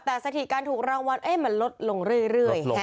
แต่สถิตย์การถูกรางวัลเอ๊ะมันลดลงเรื่อยแฮะ